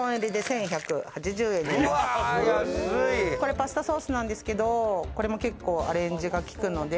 パスタソースなんですけれど結構アレンジが利くので。